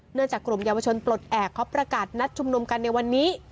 จากกลุ่มเยาวชนปลดแอบเขาประกาศนัดชุมนุมกันในวันนี้